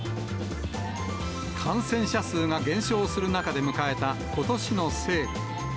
感染者数が減少する中で迎えたことしのセール。